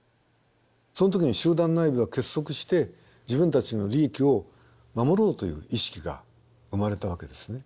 その時に集団内部は結束して自分たちの利益を守ろうという意識が生まれたわけですね。